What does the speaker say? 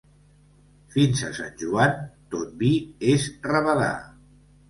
Fins a Sant Joan, tot vi és rabadà.